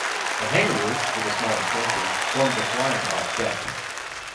The hangar roof, with a small extension, formed the flying-off deck.